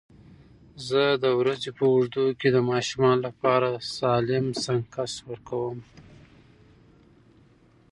زه د ورځې په اوږدو کې د ماشومانو لپاره سالم سنکس ورکوم.